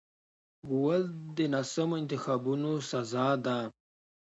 غول د ناسمو انتخابونو سزا ده.